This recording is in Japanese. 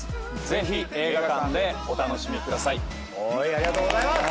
ぜひ映画館でお楽しみください。